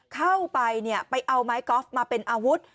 เข้าไปไปเอาไม้กอล์ฟมาเป็นอาวุธ